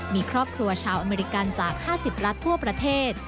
มีครอบครัวชาวอเมริกันจาก๕๐รัฐทั่วประเทศ